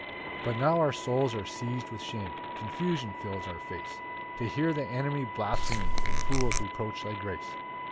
4 But now our souls are seiz'd with shame, Confusion fills our face, To hear the enemy blaspheme, And fools reproach thy grace.